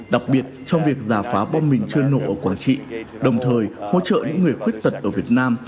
đặc biệt trong việc giả phá bom mình chưa nổ ở quảng trị đồng thời hỗ trợ những người khuyết tật ở việt nam